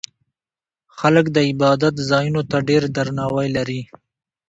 خلک د عبادت ځایونو ته ډېر درناوی لري.